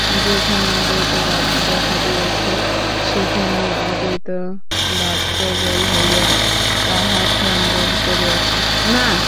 যেখানেই দ্বৈতবাদ দেখা দিয়াছে, সেখানেই অদ্বৈতবাদ প্রবল হইয়া তাহা খণ্ডন করিয়াছে।